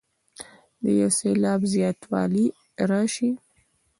د یو سېلاب زیاتوالی راشي.